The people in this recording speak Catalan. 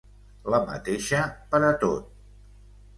La mateixa per a tot.